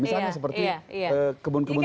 misalnya seperti kebun kebun